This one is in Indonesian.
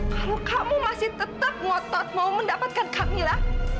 kamu kamu masih tetap ngotot mau mendapatkan kamila